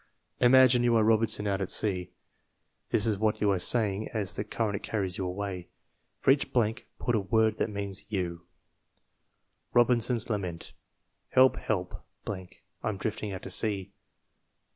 Imagine, you are Robinson out at sea. This is what you are saying as the current carries you away. For each blank put a word that means you: Robinson 9 a Lament * "Help! Help! 'm drifting out to sea!